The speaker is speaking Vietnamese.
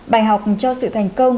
bài học cho sự thành công